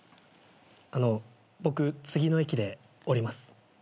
あの僕次の駅で降ります。